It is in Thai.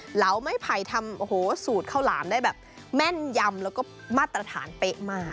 แล้วราวไม่ไผ่ทำสูตรค้าวหลามได้แบบแม่นยำและก็มาตรฐานเป๊ะมาก